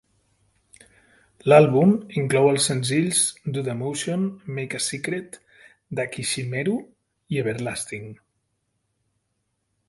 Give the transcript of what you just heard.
L'àlbum inclou els senzills Do the Motion, Make a Secret, Dakishimeru i Everlasting.